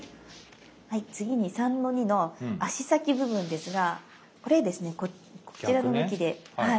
次に３−２の足先部分ですがこれですねこちらの向きではい。